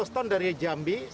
seratus ton dari jambi